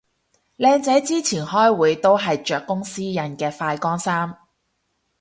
靚仔之前開會都係着公司印嘅快乾衫